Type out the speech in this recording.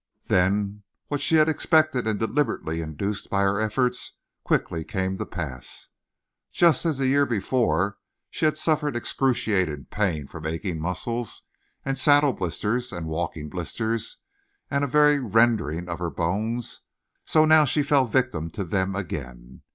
Then what she had expected and deliberately induced by her efforts quickly came to pass. Just as the year before she had suffered excruciating pain from aching muscles, and saddle blisters, and walking blisters, and a very rending of her bones, so now she fell victim to them again.